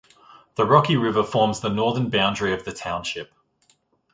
The Rocky River forms the northern boundary of the township.